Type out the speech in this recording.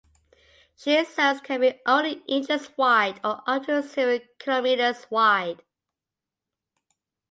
Shear zones can be only inches wide, or up to several kilometres wide.